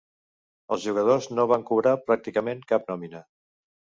Els jugadors no van cobrar pràcticament cap nòmina.